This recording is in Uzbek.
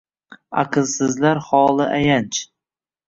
Аqlsizlar holi ayanch.